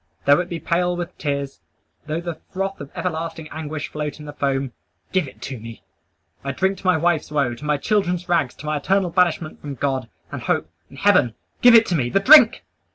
Though it be pale with tears; though the froth of everlasting anguish float in the foam give it to me! I drink to my wife's woe; to my children's rags; to my eternal banishment from God, and hope, and heaven! Give it to me! the drink!"